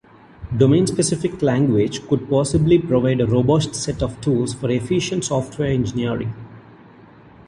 Domain-specific language could possibly provide a robust set of tools for efficient software engineering.